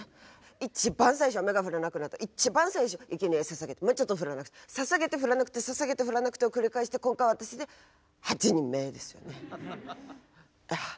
一番最初雨が降らなくなった一番最初いけにえささげてちょっと降らなくてささげて降らなくてささげて降らなくてを繰り返して今回私で８人目ですよね。